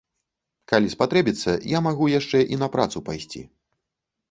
Калі спатрэбіцца, я магу яшчэ і на працу пайсці.